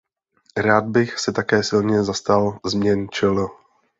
Rád bych se také silně zastal změn čl.